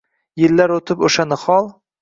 Yillar o’tib, o’sha nihol